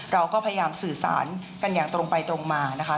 เราก็พยายามสื่อสารกันอย่างตรงไปตรงมานะคะ